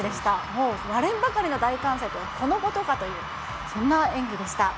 もうわれんばかりの大歓声とはこのことかという、そんな演技でした。